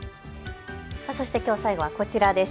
そしてきょう最後はこちらです。